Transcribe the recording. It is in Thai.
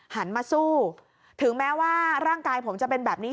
หันมาสู้ถึงแม้ว่าร่างกายผมจะเป็นแบบนี้